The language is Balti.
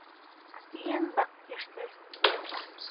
اپی ینگ بقچی ہرژیس